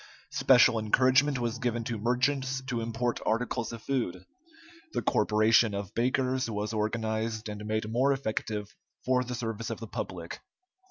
Special encouragement was given to merchants to import articles of food. The corporation of bakers was organized, and made more effective for the service of the public.